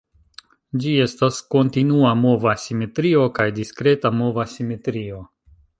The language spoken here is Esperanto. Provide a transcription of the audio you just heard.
Ĝi estas kontinua mova simetrio kaj diskreta mova simetrio.